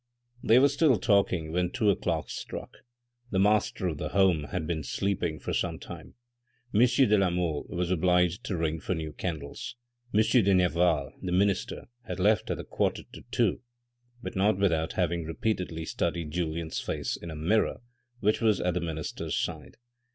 They were still talking when two o'clock struck. The master of the house had been sleeping for some time. M. de la Mole was obliged to ring for new candles. M. de Nerval, the minister, had left at the quarter to two, but not without having repeatedly studied Julien's face in a mirror which was at the minister's side.